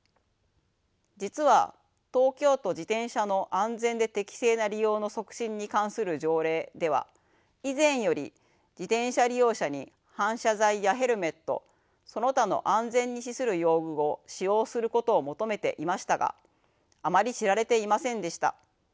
実は「東京都自転車の安全で適正な利用の促進に関する条例」では以前より自転車利用者に反射材やヘルメットその他の安全に資する用具を使用することを求めていましたがあまり知られていませんでした。